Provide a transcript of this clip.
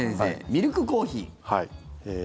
ミルクコーヒー